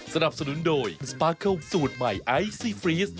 สนับสนุนโดยสปาเคิลสูตรใหม่ไอซี่ฟรีส